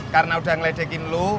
karena udah ngeledekin lo